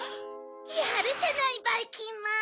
やるじゃないばいきんまん。